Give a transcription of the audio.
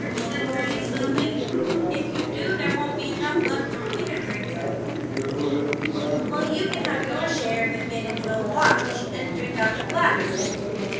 said Freddie slowly. "If you do there won't be enough left for me to drink out of." "Well, you can have your share of it made into a watch, and drink out of a glass."